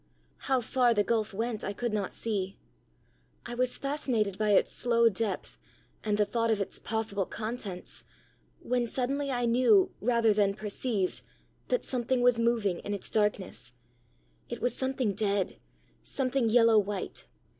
How far the gulf went I could not see. I was fascinated by its slow depth, and the thought of its possible contents when suddenly I knew rather than perceived that something was moving in its darkness: it was something dead something yellow white.